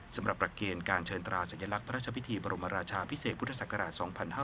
สำหรับหลักเกณฑ์การเชิญตราสัญลักษณ์พระราชพิธีบรมราชาพิเศษพุทธศักราช๒๕๕๙